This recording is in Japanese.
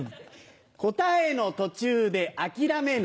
答えの途中で諦めない。